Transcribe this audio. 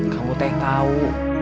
kamu tuh yang tahu